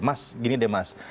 mas gini deh mas